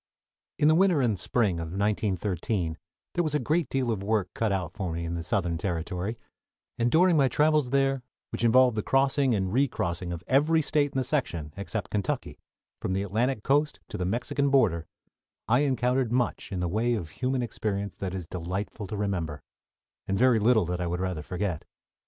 In the winter and spring of 1913 there was a great deal of work cut out for me in the Southern territory, and during my travels there, which involved the crossing and recrossing of every State in the section except Kentucky, from the Atlantic coast to the Mexican border, I encountered much in the way of human experience that is delightful to remember, and very little that I would rather forget.